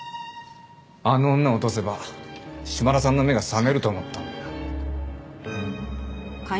あの女を落とせば島田さんの目が覚めると思った。